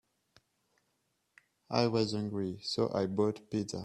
I was hungry, so I bought a pizza.